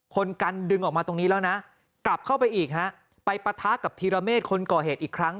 คนกันดึงออกมาตรงนี้แล้วนะกลับเข้าไปอีกฮะไปปะทะกับธีรเมฆคนก่อเหตุอีกครั้ง